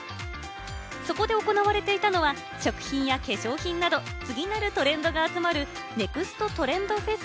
そこで行われていたのは食品や化粧品など、次なるトレンドが集まるネクストトレンドフェス